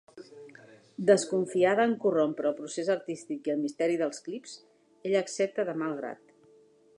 Desconfiada en corrompre el procés artístic i el misteri dels clips, ella accepta de mal grat.